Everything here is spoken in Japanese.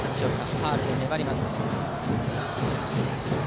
ファウルで粘ります。